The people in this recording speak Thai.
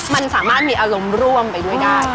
มันสามารถมีอารมณ์ร่วมไปด้วยได้